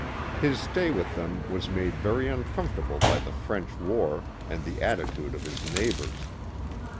His stay with them was made very uncomfortable by the French war and the attitude of his neighbors.